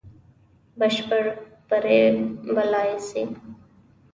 بشپړ بری بللای سي.